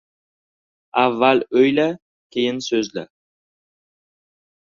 • Avval o‘yla, keyin so‘zla.